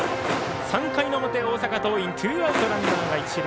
３回の表、大阪桐蔭ツーアウトランナー、一塁。